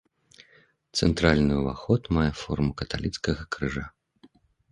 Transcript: Цэнтральны ўваход мае форму каталіцкага крыжа.